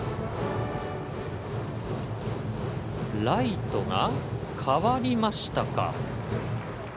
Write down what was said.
ライトが代わりましたか。